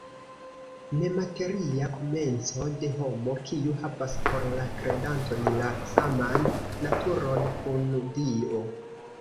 Nemateria komenco de homo, kiu havas por la kredantoj la saman naturon kun Dio.